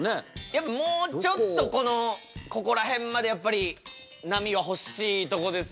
やっぱもうちょっとこのここら辺までやっぱり波は欲しいとこですよね？